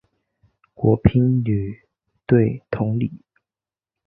国乒女队同理。